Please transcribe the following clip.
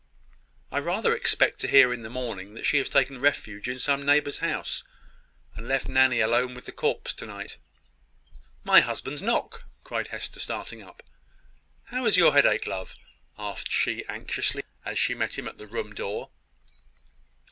"I rather expect to hear in the morning that she has taken refuge in some neighbour's house, and left Nanny alone with the corpse to night." "My husband's knock!" cried Hester, starting up. "How is your headache, love?" asked she anxiously, as she met him at the room door.